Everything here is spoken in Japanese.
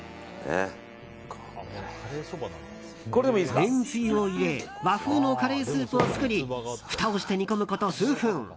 めんつゆを入れ和風のカレースープを作りふたをして煮込むこと数分。